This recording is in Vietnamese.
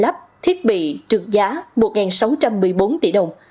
lây lắp thiết bị trực giá một sáu trăm một mươi bốn tỷ đồng